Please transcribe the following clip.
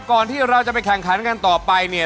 ก่อนที่เราจะไปแข่งขันกันต่อไปเนี่ย